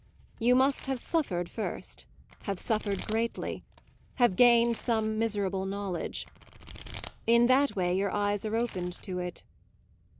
You must have suffered first, have suffered greatly, have gained some miserable knowledge. In that way your eyes are opened to it.